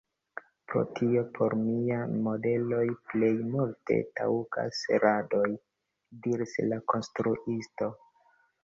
Pro tio por miaj modeloj plej multe taŭgas radoj, diris la konstruisto.